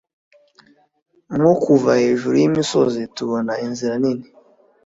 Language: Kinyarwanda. Nko kuva hejuru yimisozi tubona inzira nini